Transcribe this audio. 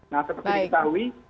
nah seperti kita ketahui